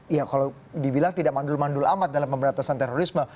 ya kalau dibilang tidak mandul mandul amat dalam pemberantasan terorisme